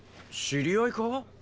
知り合いか？